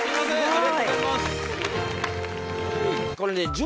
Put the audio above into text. ありがとうございます！